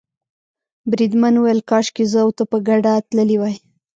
بریدمن وویل کاشکې زه او ته په ګډه تللي وای.